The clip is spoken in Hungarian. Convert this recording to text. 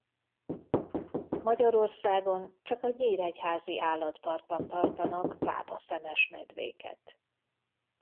Magyarországon csak a Nyíregyházi Állatparkban tartanak pápaszemes medvéket.